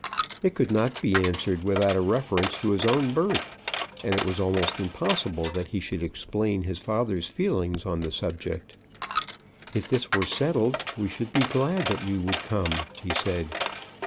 It could not be answered without a reference to his own birth, and it was almost impossible that he should explain his father's feelings on the subject. "If this were settled, we should be glad that you would come," he said.